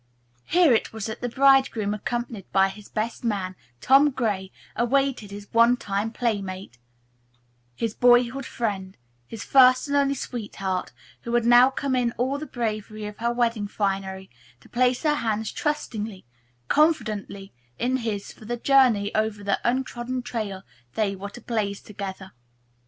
Here it was that the bridegroom, accompanied by his best man, Tom Gray, awaited his one time playmate, his boyhood friend, his first and only sweetheart, who had now come in all the bravery of her wedding finery to place her hands, trustingly, confidently in his for the journey over the untrodden trail they were to blaze together.